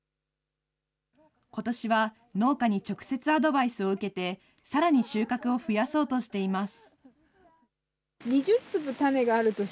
ことしは農家に直接アドバイスを受けて、さらに収穫を増やそうとしています。